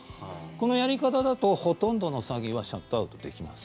このやり方だとほとんどの詐欺はシャットアウトできます。